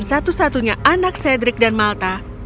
satu satunya anak sedrik dan malta